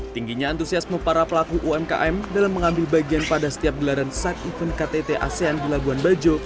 tingginya antusiasme para pelaku umkm dalam mengambil bagian pada setiap gelaran side event ktt asean di labuan bajo